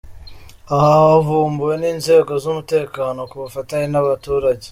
Aha havumbuwe n’inzego z’umutekano ku bufatanye n’abaturage.